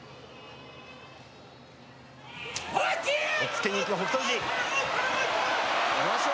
押っつけにいく北勝